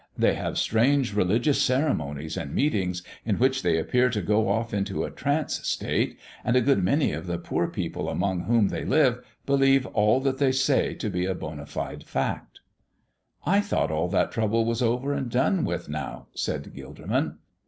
They have strange religious ceremonies and meetings, in which they appear to go off into a trance state, and a good many of the poor people among whom they live believe all that they say to be a bona fide fact." "I thought all that trouble was over and done with now," said Gilderman.